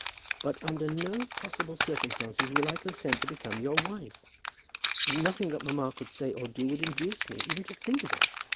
But under no possible circumstances will I consent to become your wife. Nothing that mamma could say or do would induce me even to think of it.